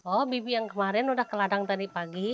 oh bibi yang kemarin udah ke ladang tadi pagi